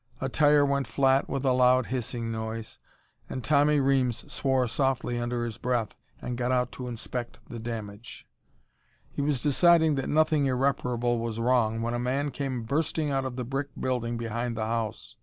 A tire went flat with a loud hissing noise, and Tommy Reames swore softly under his breath and got out to inspect the damage. He was deciding that nothing irreparable was wrong when a man came bursting out of the brick building behind the house.